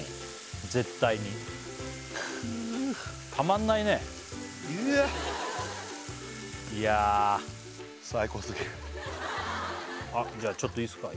絶対にくうたまんないねいやあ最高すぎるじゃあちょっといいすか？